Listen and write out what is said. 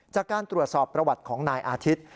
จากการตรวจสอบประวัติของนายอาทิตย์